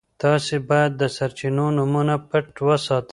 تاسي باید د سرچینو نومونه پټ وساتئ.